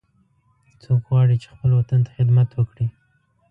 څوک غواړي چې خپل وطن ته خدمت وکړي